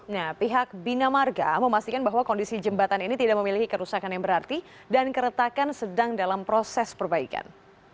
nah pihak bina marga memastikan bahwa kondisi jembatan ini tidak memiliki kerusakan yang berarti dan keretakan sedang dalam proses perbaikan